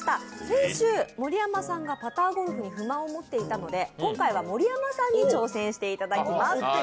先週、盛山さんがパターゴルフに不満を持っていましたので今回は盛山さんに挑戦していただきます。